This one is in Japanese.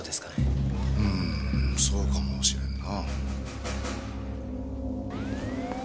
うんそうかもしれんな。